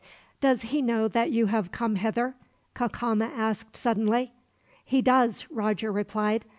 "Does he know that you have come hither?" Cacama asked suddenly. "He does," Roger replied.